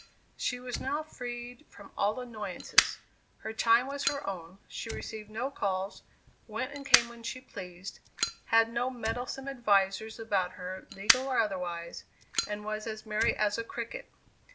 She was now freed from all annoyances; her time was her own, she received no calls, went and came when she pleased, had no meddlesome advisers about her, legal or otherwise, and was as merry as a cricket.